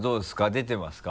出てますか？